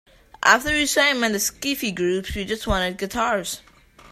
After we saw him and the skiffle groups, we just wanted guitars.